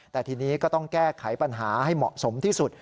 แต่ทีนี้ก็ต้องแก้ไขปัญหาให้เหมาะสมที่สุด